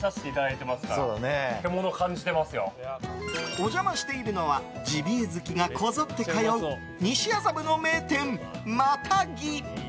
お邪魔しているのはジビエ好きがこぞって通う西麻布の名店またぎ。